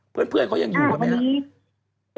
เพื่อนเขายังอยู่กันไหมครับ